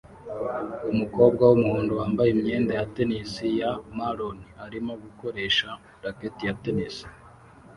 Umukobwa wumuhondo wambaye imyenda ya tennis ya maroon arimo gukoresha racket ya tennis